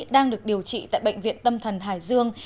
đang được điều trị tại bệnh viện tâm thần hải dương